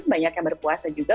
banyak yang berpuasa juga